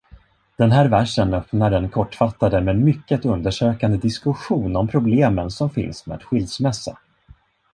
Den här versen öppnar den kortfattade, men mycket undersökande, diskussion om problemen som finns med skilsmässa.